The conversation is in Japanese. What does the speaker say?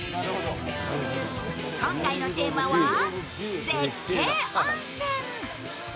今回のテーマは、絶景温泉。